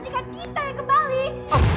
majikan kita yang ke bali